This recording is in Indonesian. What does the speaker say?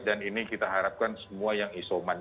dan ini kita harapkan semua yang isoman